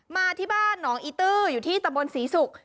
มาที่บ้านหนองอีตื้ออยู่ที่ตะบนศรีศุกร์